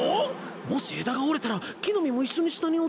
もし枝が折れたら木の実も一緒に下に落ちるだろ